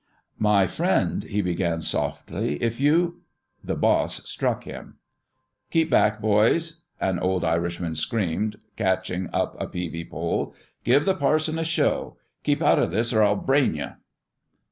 " My friend," he began, softly, " if you " The boss struck at him. " Keep back, boys !" an old Irishman screamed, catching up a peavy pole. " Give the parson a show ! Keep out o' this or I'll brain ye !